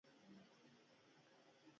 د پودینې پاڼې د څه لپاره وکاروم؟